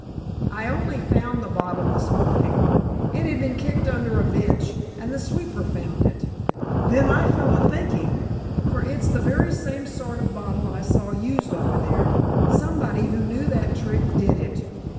"I only found the bottle this morning. It had been kicked under a bench, and the sweeper found it. Then I fell a thinking, for it's the very same sort of bottle I saw used over there. Somebody who knew that trick did it."